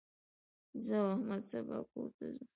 زه او احمد سبا کور ته ځو.